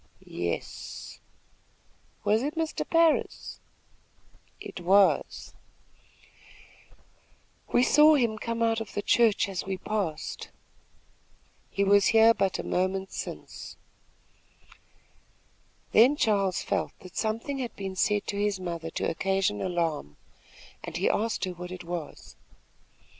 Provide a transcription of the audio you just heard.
"Yes." "Was it Mr. Parris?" "It was." "We saw him come out of the church as we passed." "He was here but a moment since." Then Charles felt that something had been said to his mother to occasion alarm, and he asked her what it was.